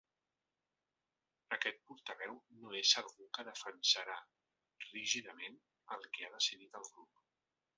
Aquest portaveu no és algú que defensarà rígidament el que ha decidit el grup.